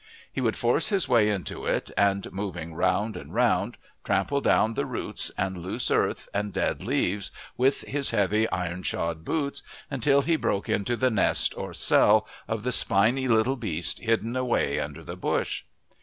He would force his way into it and, moving round and round, trample down the roots and loose earth and dead leaves with his heavy iron shod boots until he broke into the nest or cell of the spiny little beast hidden away under the bush.